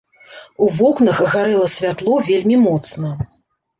У вокнах гарэла святло вельмі моцна.